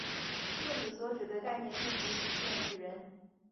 这里所指的概念并不仅限于人。